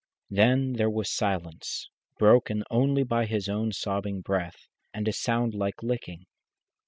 Then there was silence, broken only by his own sobbing breathing, and a sound like licking.